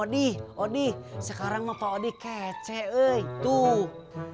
odi odi sekarang mau pak odi kece ee tuh